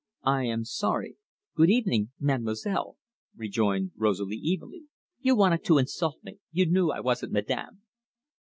"I am sorry. Good evening, Mademoiselle," rejoined Rosalie evenly. "You wanted to insult me. You knew I wasn't Madame."